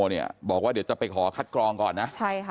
แล้วจะไปขอคัดกรองก่อนนะ